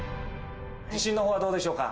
自信のほうはどうでしょうか？